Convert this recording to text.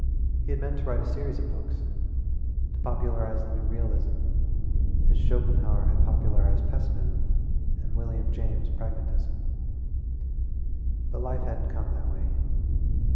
He had meant to write a series of books, to popularize the new realism as Schopenhauer had popularized pessimism and William James pragmatism. But life hadn't come that way.